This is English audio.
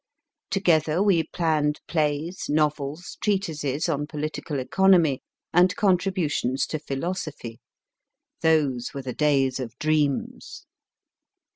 Together we planned plays, novels, treatises on political economy, and contributions to philosophy. Those were the days of dreams.